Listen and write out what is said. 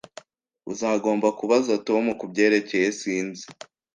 Uzagomba kubaza Tom kubyerekeye. Sinzi